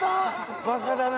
バカだな！